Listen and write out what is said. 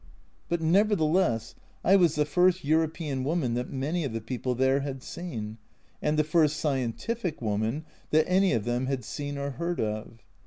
But, neverthe less, I was the first European woman that many of the people there had seen, and the first scientific woman that any of them had seen or heard of.